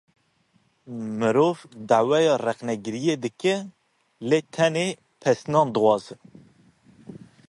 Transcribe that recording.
Mirov daweya rexnegiriyê dikin lê tenê pesinan dixwazin.